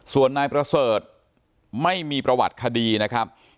ส่วนนายประเสริฐไม่มีประวัติคดีนะครับ